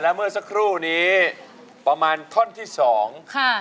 และเมื่อสักครู่นี้ประมาณคล่อนที่สอง